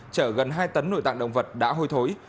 chở gần hai tấn nội tạng động vật đã hôi thối